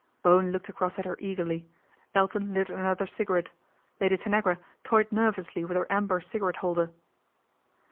Bowen looked across at her eagerly, Elton lit another cigarette, Lady Tanagra toyed nervously with her amber cigarette holder.